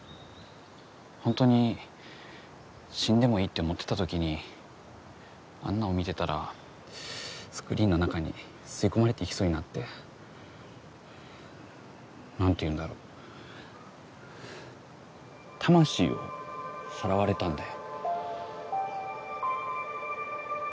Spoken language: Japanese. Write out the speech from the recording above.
ほんとに死んでもいいって思ってたときに安奈を見てたらスクリーンの中に吸い込まれていきそうになって。なんていうんだろう魂をさらわれたんだよ。